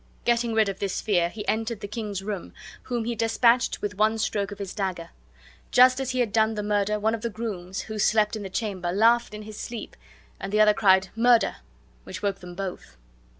Getting rid of this fear, he entered the king's room, whom he despatched with one stroke of his dagger. just as he had done the murder one of the grooms who slept in the chamber laughed in his sleep, and the other cried, "Murder," which woke them both.